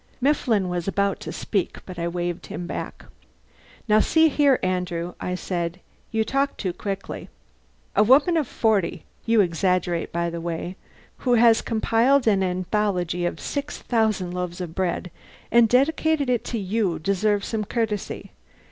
Mifflin was about to speak but I waved him back. "Now see here Andrew," I said, "you talk too quickly. A woman of forty (you exaggerate, by the way) who has compiled an anthology of 6,000 loaves of bread and dedicated it to you deserves some courtesy.